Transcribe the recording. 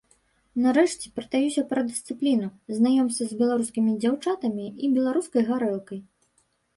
Нарэшце прытаюся пра дысцыпліну, знаёмства з беларускімі дзяўчатамі і беларускай гарэлкай.